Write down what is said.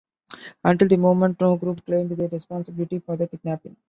Until the moment, no group claimed their responsibility for the kidnapping.